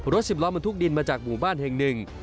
สิบล้อบรรทุกดินมาจากหมู่บ้านแห่งหนึ่ง